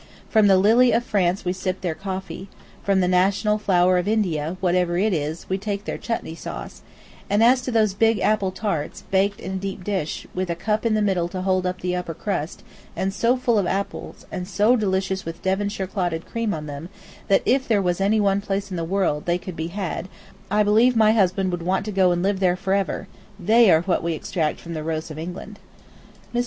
From the lily of France we sip their coffee, from the national flower of India, whatever it is, we take their chutney sauce, and as to those big apple tarts, baked in a deep dish, with a cup in the middle to hold up the upper crust, and so full of apples, and so delicious with Devonshire clotted cream on them that if there was any one place in the world they could be had I believe my husband would want to go and live there forever, they are what we extract from the rose of England." Mr.